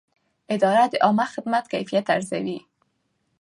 اداره د عامه خدمت کیفیت ارزوي.